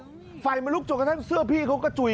ถ้าไฟลูกเตอร์ปฟรุ่จนกระจ่างเสื้อนี่เขากระจ่วย